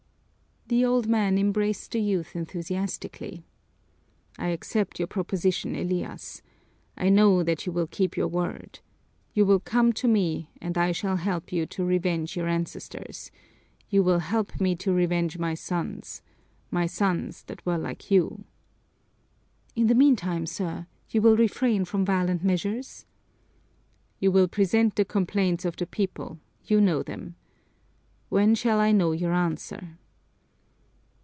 The old man embraced the youth enthusiastically. "I accept your proposition, Elias. I know that you will keep your word. You will come to me, and I shall help you to revenge your ancestors, you will help me to revenge my sons, my sons that were like you!" "In the meantime, sir, you will refrain from violent measures?" "You will present the complaints of the people, you know them. When shall I know your answer?"